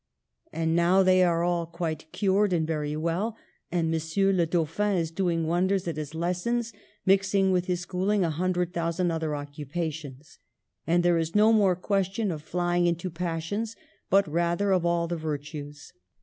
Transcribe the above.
And now they all are quite cured and very well. And M. le Dauphin is doing wonders at his lessons, mixing with his schooling a hundred thousand other occupations ; and there is no more question of flying into passions, but rather of all the virtues.